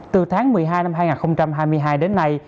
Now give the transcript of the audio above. từ tháng một mươi hai năm hai nghìn hai mươi hai đến nay